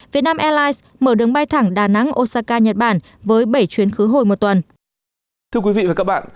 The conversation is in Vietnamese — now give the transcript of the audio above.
việt nam airlines mở đường bay thẳng đà nẵng osaka nhật bản với bảy chuyến khứ hồi một tuần